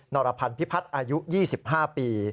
รพันธ์พิพัฒน์อายุ๒๕ปี